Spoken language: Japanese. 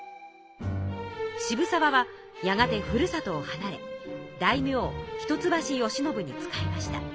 渋沢はやがてふるさとをはなれ大名一橋慶喜に仕えました。